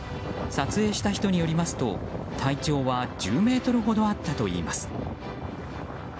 撮影した人によりますと体長は１０ｍほどあったといいます。